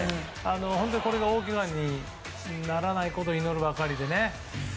本当にこれが大けがにならないことを祈るばかりでね。